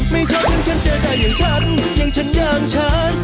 ไม่ชอบอย่างฉันเจอได้อย่างฉันอย่างฉันอย่างฉัน